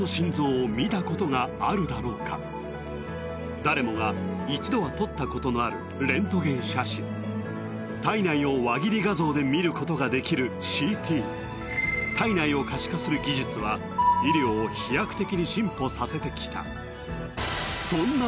誰もが一度は撮ったことのある体内を輪切り画像で見ることができるＣＴ体内を可視化する技術は医療を飛躍的に進歩させて来た